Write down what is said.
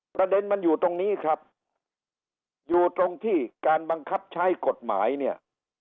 ประเด็นมันอยู่ตรงนี้ครับอยู่ตรงที่การบังคับใช้กฎหมายเนี่ย